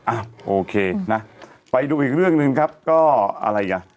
อ่ะโอเคนะไปดูอีกเรื่องหนึ่งครับก็อะไรอ่ะ